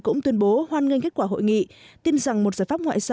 cũng tuyên bố hoan nghênh kết quả hội nghị